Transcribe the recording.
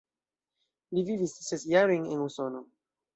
Li vivis ses jarojn en Usono.